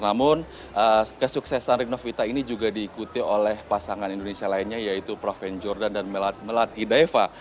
namun kesuksesan rinov pita ini juga diikuti oleh pasangan indonesia lainnya yaitu proven jordan dan melat melat ideva